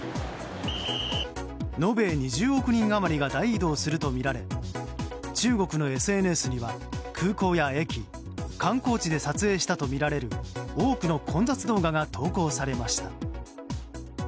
延べ２０億人余りが大移動するとみられ中国のＳＮＳには、空港や駅観光地で撮影したとみられる多くの混雑動画が投稿されました。